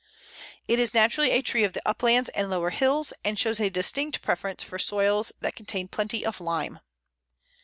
It is naturally a tree of the uplands and lower hills, and shows a distinct preference for soils that contain plenty of lime.